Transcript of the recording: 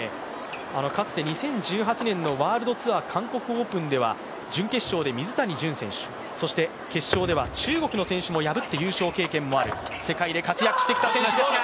かつて２０１８年のワールドツアー韓国オープンでは準決勝で水谷隼選手、決勝では中国の選手も破って優勝経験もある世界で活躍してきた選手です。